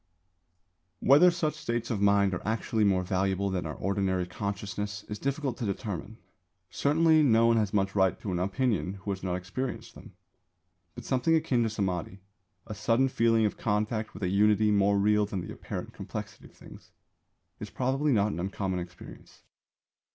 Whether such states of mind are actually more valuable than our ordinary consciousness is difficult to determine. Certainly no one has much right to an opinion who has not experienced them. But something akin to Samādhi a sudden feeling of contact with a unity more real than the apparent complexity of things is probably not an uncommon experience.